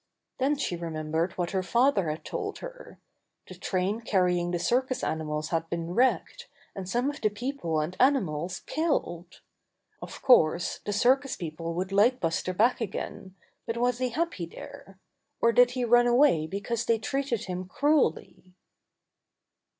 Then she remembered what her father had told her. The train carrying the circus ani mals had been wrecked, and some of the peo ple and animals killed. Of course, the circus people would like Buster back again, but was he happy there? Or did he run away because they treated him cruelly?